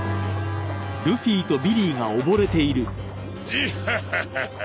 ジッハハハハ！